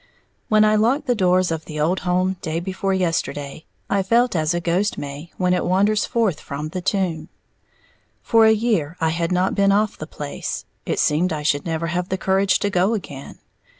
When I locked the doors of the old home day before yesterday, I felt as a ghost may when it wanders forth from the tomb. For a year I had not been off the place; it seemed I should never have the courage to go again.